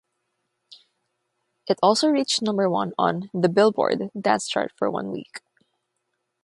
It also reached number one on the "Billboard" dance chart for one week.